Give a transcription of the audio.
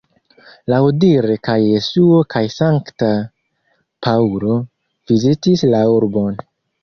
Laŭdire kaj Jesuo kaj Sankta Paŭlo vizitis la urbon.